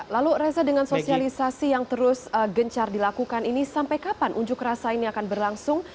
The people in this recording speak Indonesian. lalu reza dengan sosialisasi yang terus gencar dilakukan ini sampai kapan unjuk rasa ini akan berlangsung